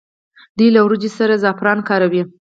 دوی له وریجو سره زعفران کاروي.